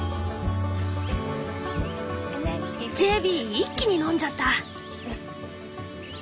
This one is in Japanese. ジェビー一気に飲んじゃった。